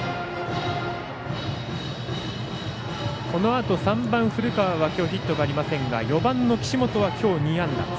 このあと、３番、古川はきょうヒットがありませんが４番の岸本はきょう２安打。